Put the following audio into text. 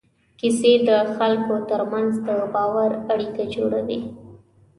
کیسې د خلکو تر منځ د باور اړیکه جوړوي.